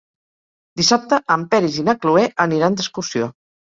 Dissabte en Peris i na Cloè aniran d'excursió.